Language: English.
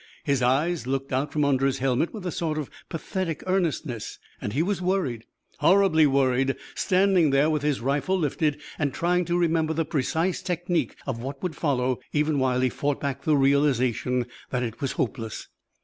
His eyes looked out from under his helmet with a sort of pathetic earnestness. And he was worried, horribly worried, standing there with his rifle lifted and trying to remember the precise technique of what would follow even while he fought back the realization that it was hopeless.